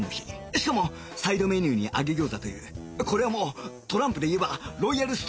しかもサイドメニューに揚げ餃子というこれはもうトランプで言えばロイヤルストレートフラッシュ